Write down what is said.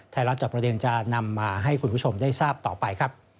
รับจอบประเด็นจะนำมาให้คุณผู้ชมได้ทราบต่อไปครับ